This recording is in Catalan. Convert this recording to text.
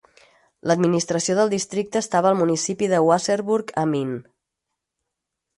L'administració del districte estava al municipi de Wasserburg am Inn.